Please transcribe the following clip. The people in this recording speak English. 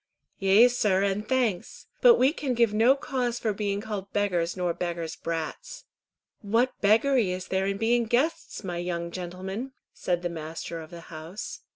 "Yea, sir, and thanks; but we can give no cause for being called beggars nor beggars' brats." "What beggary is there in being guests, my young gentlemen?" said the master of the house.